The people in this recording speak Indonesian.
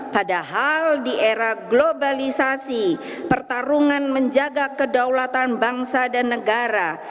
padahal di era globalisasi pertarungan menjaga kedaulatan bangsa dan negara